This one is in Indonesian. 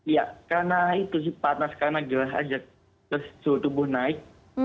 iya karena itu panas karena gelas aja terus suhu tubuh naik